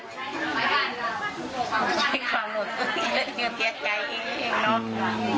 ใช่ความรู้สึกแน่แค่ก็ผิดใจทีนี้เองนะครับ